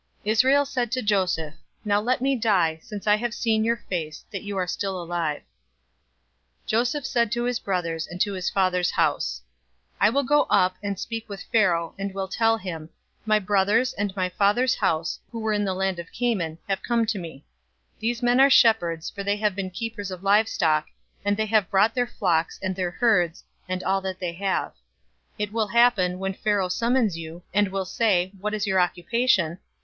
046:030 Israel said to Joseph, "Now let me die, since I have seen your face, that you are still alive." 046:031 Joseph said to his brothers, and to his father's house, "I will go up, and speak with Pharaoh, and will tell him, 'My brothers, and my father's house, who were in the land of Canaan, have come to me. 046:032 These men are shepherds, for they have been keepers of livestock, and they have brought their flocks, and their herds, and all that they have.' 046:033 It will happen, when Pharaoh summons you, and will say, 'What is your occupation?'